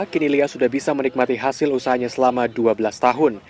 kini lia sudah bisa menikmati hasil usahanya selama dua belas tahun